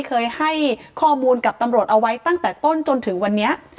เคยให้ข้อมูลกับตำรวจเอาไว้ตั้งแต่ต้นจนถึงวันนี้